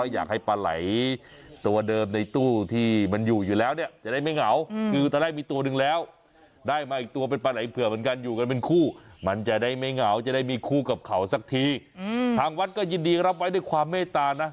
สักทีอืมทางวัดก็ยินดีรับไว้ด้วยความเมตตานะ